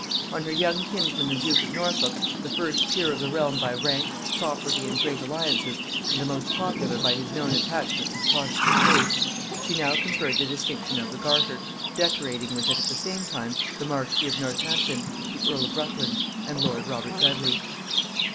On her young kinsman the duke of Norfolk, the first peer of the realm by rank, property, and great alliances, and the most popular by his known attachment to the protestant faith, she now conferred the distinction of the garter, decorating with it at the same time the marquis of Northampton, the earl of Rutland, and lord Robert Dudley.